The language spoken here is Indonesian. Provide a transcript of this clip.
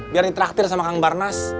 biar ditraktir sama kang barnas